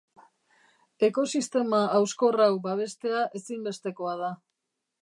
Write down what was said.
Ekosistema hauskor hau babestea ezinbestekoa da.